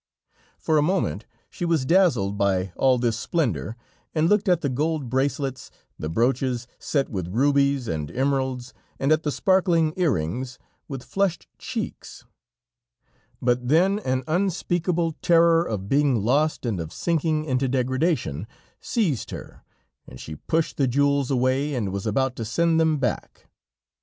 For a moment she was dazzled by all this splendor and looked at the gold bracelets, the brooches set with rubies and emeralds, and at the sparkling earrings, with flushed cheeks, but then an unspeakable terror of being lost and of sinking into degradation, seized her, and she pushed the jewels away and was about to send them back.